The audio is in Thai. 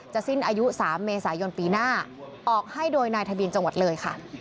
สิ้นอายุ๓เมษายนปีหน้าออกให้โดยนายทะเบียนจังหวัดเลยค่ะ